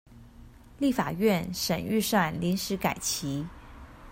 立法院審預算臨時改期